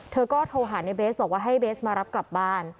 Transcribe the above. เธอก็โทรหาในเบสบอกว่าให้เบสมารับกลับบ้าน